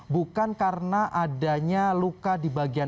bukan karena adanya luka di bagian